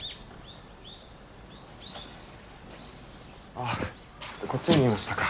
ああこっちにいましたか。